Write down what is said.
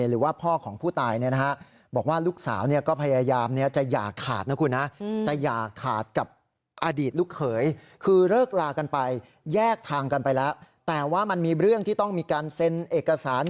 ลูกคุณพ่อไม่ได้ขัดแย้งที่คนอื่น